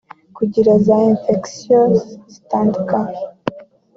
kugira za infections zitandukanye